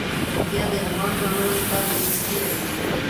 پکتیا د افغان ځوانانو لپاره دلچسپي لري.